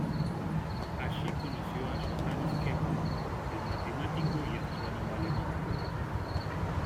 Allí conoció a Johannes Kepler, el matemático y astrónomo alemán.